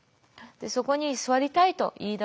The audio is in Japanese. そこに座りたいと言いだして。